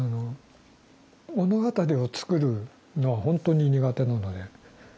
物語を作るのは本当に苦手なので。